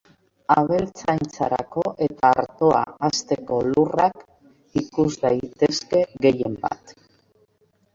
Abeltzaintzarako eta artoa hazteko lurrak ikus daitezke gehien bat.